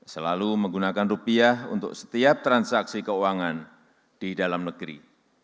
selalu menggunakan rupiah untuk setiap transaksi keuangan di dalam negeri